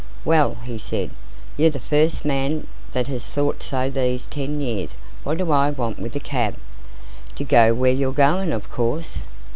"Well," he said, "you're the first man that has thought so these ten years. What do I want with a cab?" "To go where you're going, of course."